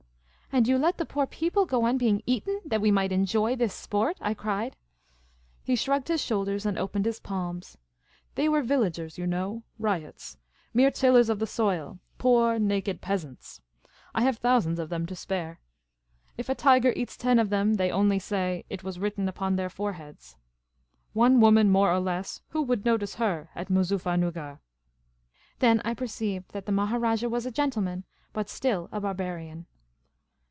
" And you let the poor people go on being eaten, that we might enjoy this sport !" I cried. He shrugged his shoulders, and opened his palms. *' They were villagers, you know — ryots : mere tillers of the soil — poor naked peasants. I have thousands of them to spare. If a tiger eats ten of them, they only say, * It was written upon their foreheads.' One woman more or less — who would notice her at MoozufFernuggar ?'' Then I perceived that the Maharajah was a gentleman, but still a barbarian.